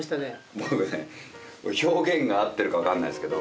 僕ね表現が合ってるか分かんないですけど。